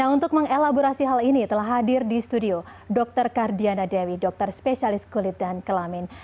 untuk mengelaborasi hal ini telah hadir di studio dr kardiana dewi dokter spesialis kulit dan kelamin